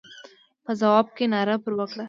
په ځواب کې ناره پر وکړه.